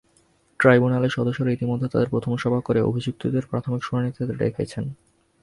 ট্রাইব্যুনালের সদস্যরা ইতিমধ্যে তাঁদের প্রথম সভা করে অভিযুক্তদের প্রাথমিক শুনানিতে ডেকেছেন।